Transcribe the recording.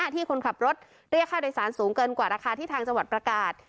ที่คนขับรถเรียกค่าโดยสารสูงเกินกว่าราคาที่ทางจังหวัดประกาศ